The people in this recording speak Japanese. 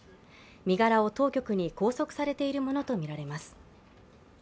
身柄を当局に拘束されているものとみられます。